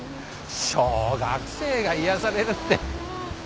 小学生が癒やされるって。